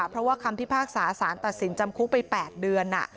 เพราะว่าคำพิพากษาสารตัดสินจำคุกไป๘เดือน